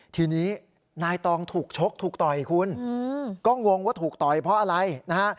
ทีนี้นายตองถูกชกถูกต่อยคุณก็งงว่าถูกต่อยเพราะอะไรนะฮะ